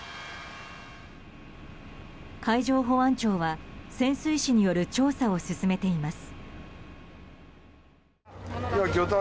海上保安庁は潜水士による調査を進めています。